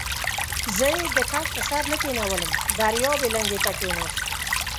زه یې د کټ بر سر ته کېنولم، دریاب یې لنګې ته کېناست.